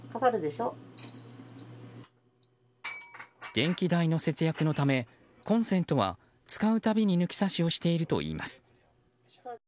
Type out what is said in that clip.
電気代の節約のためコンセントは使うたびに抜き差しをしているといいます。